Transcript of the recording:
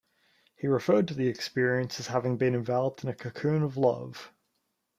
He referred to the experience as having been enveloped in a cocoon of love.